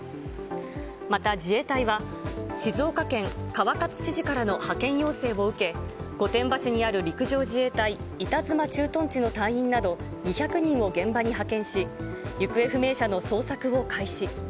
また、自衛隊は、静岡県川勝知事からの派遣要請を受け、御殿場市にある陸上自衛隊板妻駐屯地の隊員など２００人を現場に派遣し、行方不明者の捜索を開始。